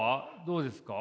どうですか？